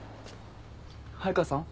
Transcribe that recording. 早川さん？